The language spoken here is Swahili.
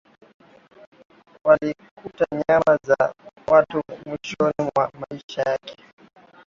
walikuta nyama za watu Mwishoni mwa maisha yake